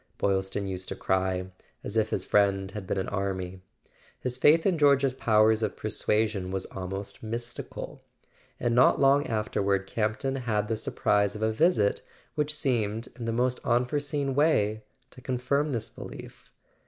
Boylston used to cry, as if his friend had been an army. His faith in George's powers of persuasion was almost mystical. And not long afterward Campton had the surprise of a visit which seemed, in the most unforeseen way, to confirm this belief.